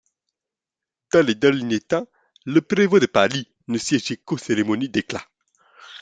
Dans les derniers temps, le prévôt de Paris ne siégeait qu'aux cérémonies d'éclat.